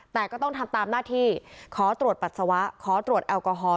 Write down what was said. แต่ก็ต้องทำตามหน้าที่ขอตรวจปัสสาวะขอตรวจแอลกอฮอล